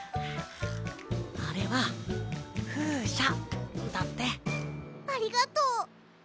あれは「ふうしゃ」だって。ありがとう！